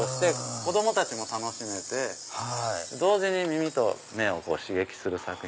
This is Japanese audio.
子供たちも楽しめて同時に耳と目を刺激する作品。